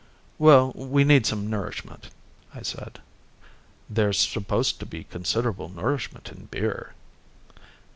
"Well, we need some nourishment," I said. "There's supposed to be considerable nourishment in beer."